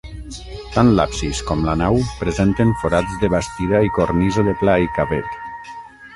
Tant l'absis com la nau presenten forats de bastida i cornisa de pla i cavet.